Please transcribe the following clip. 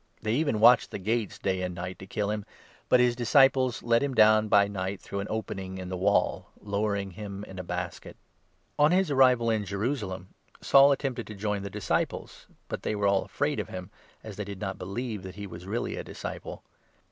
They even watched the gates day 24 and night, to kill him ; but his disciples let him down by 25 night through an opening in the wall, lowering him in a basket. saui at ^n h*s ari"ival in Jerusalem, Saul attempted to 26 Jerusalem join the disciples, but they were all afraid of him, and Tarsus. as they did not believe that he was really a dis ciple.